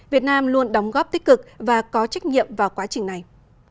việt nam luôn đóng góp tích cực và có trách nhiệm vào quá trình này